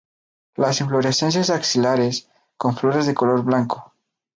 Las inflorescencias axilares con flores de color blanco.